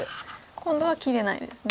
今度は切れないですね。